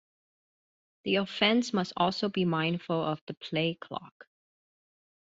The offense must also be mindful of the play clock.